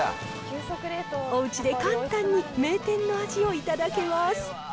おうちで簡単に名店の味を頂けます。